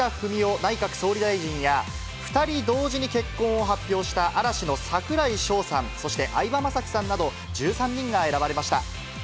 内閣総理大臣や、２人同時に結婚を発表した嵐の櫻井翔さん、そして相葉雅紀さんなど１３人が選ばれました。